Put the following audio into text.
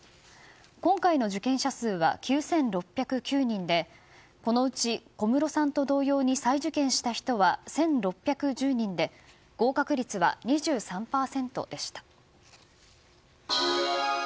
今回の受験者数は９６０９人でこのうち小室さんと同様に再受験した人は１６１０人で合格率は２３％でした。